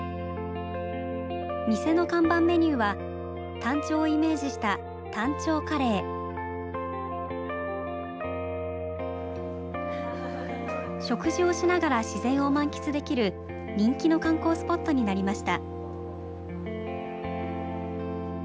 店の看板メニューはタンチョウをイメージした食事をしながら自然を満喫できる人気の観光スポットになりました。